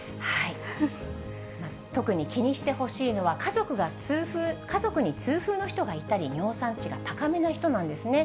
特に気にしてほしいのは、家族に痛風の人がいたり、尿酸値が高めの人なんですね。